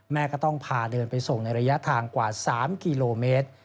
แม่ก็ต้องพาเดินไปส่งในระยะทางกว่า๓กิโลเมตร